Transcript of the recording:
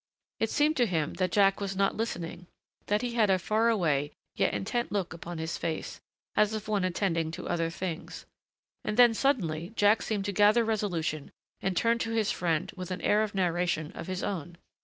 It seemed to him that Jack was not listening, that he had a faraway, yet intent look upon his face, as of one attending to other things. And then suddenly Jack seemed to gather resolution and turned to his friend with an air of narration of his own.